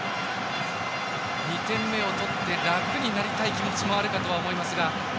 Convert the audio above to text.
２点目を取って楽になりたい気持ちもあるかとは思いますが。